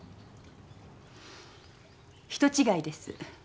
人違いです。